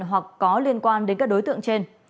hoặc có liên quan đến các đối tượng trên